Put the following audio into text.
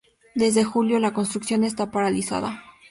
Desde julio la construcción esta paralizada.